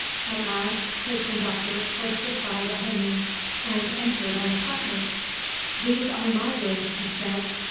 At last his conductor pushed aside a hanging, and entered an apartment. "These are my rooms," he said.